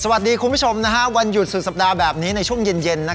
คุณผู้ชมวันหยุดสุดสัปดาห์แบบนี้ในช่วงเย็น